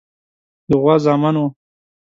د غوا زامنو.